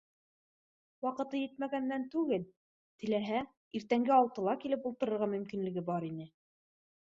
Ваҡыты етмәгәндән түгел, теләһә, иртәнге алтыла килеп ултырырға мөмкинлеге бар ине